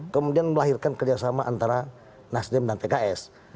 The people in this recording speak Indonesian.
kemudian melahirkan kerjasama antara nasdem dan pks